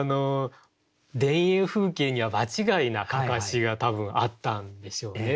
田園風景には場違いな案山子が多分あったんでしょうね。